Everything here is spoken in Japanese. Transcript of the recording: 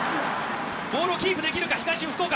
ボールをキープできるか東福岡。